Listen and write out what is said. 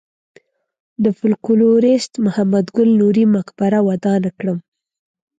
د فولکلوریست محمد ګل نوري مقبره ودانه کړم.